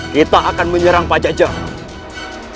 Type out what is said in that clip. kita akan menyerang pajajaran